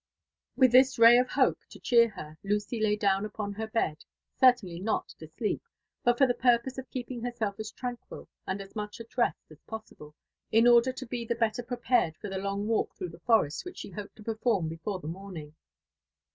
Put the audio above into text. " With this ray of hope to cheer her, Lucy lay down upon the bed, certainly not to sleep, but for the purpose of keeping herself as tranquil and as much at rest as possible, in order to be the better prepared for the long walk through the forest which she hoped to perform before the morning.